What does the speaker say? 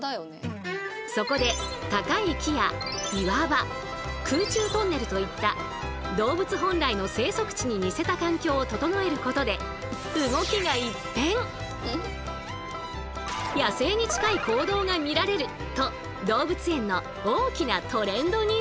そこで高い木や岩場空中トンネルといった動物本来の生息地に似せた環境を整えることで野生に近い行動が見られると動物園の大きなトレンドに。